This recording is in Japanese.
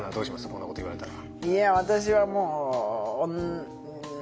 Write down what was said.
こんなこと言われたら。